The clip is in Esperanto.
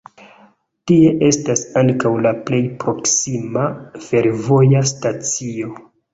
Tie estas ankaŭ la plej proksima fervoja stacio.